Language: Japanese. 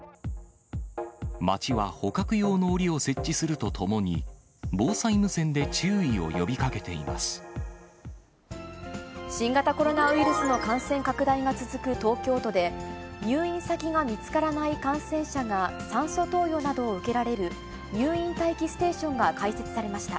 町は捕獲用のおりを設置するとともに、防災無線で注意を呼びかけ新型コロナウイルスの感染拡大が続く東京都で、入院先が見つからない感染者が、酸素投与などを受けられる、入院待機ステーションが開設されました。